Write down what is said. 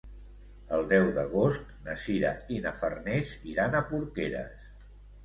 El deu d'agost na Sira i na Farners iran a Porqueres.